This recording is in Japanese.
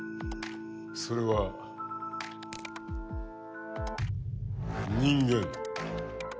それは人間。